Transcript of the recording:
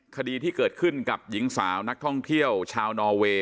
คดีที่เกิดขึ้นกับหญิงสาวนักท่องเที่ยวชาวนอเวย์